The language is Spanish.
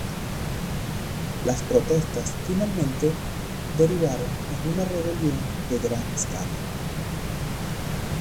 Las protestas finalmente derivaron en una rebelión de gran escala.